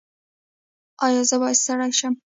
ایا زه باید ستړی شم؟